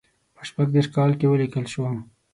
په شپږ دېرش کال کې ولیکل شو.